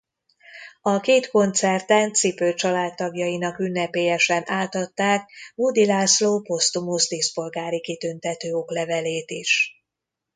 A két koncerten Cipő családtagjainak ünnepélyesen átadták Bódi László posztumusz díszpolgári kitüntető oklevelét is.